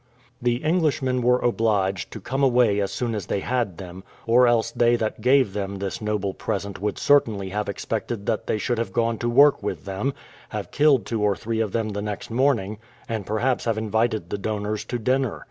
The Englishmen were obliged to come away as soon as they had them, or else they that gave them this noble present would certainly have expected that they should have gone to work with them, have killed two or three of them the next morning, and perhaps have invited the donors to dinner.